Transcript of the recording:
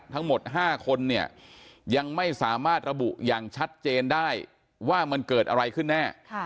ทั้งหมด๕คนเนี่ยยังไม่สามารถระบุอย่างชัดเจนได้ว่ามันเกิดอะไรขึ้นแน่